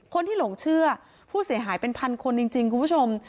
คนที่หลงเชื่อผู้เสียหายเป็นพันคนจริงคุณผู้ชม